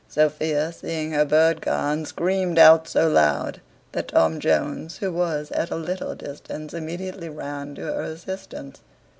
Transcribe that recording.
Sophia, seeing her bird gone, screamed out so loud, that Tom Jones, who was at a little distance, immediately ran to her assistance.